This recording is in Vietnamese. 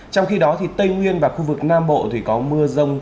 trong khi đó tây nguyên và khu vực nam bộ thì có mưa rông